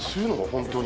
本当に。